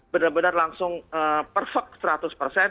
benar benar langsung perfect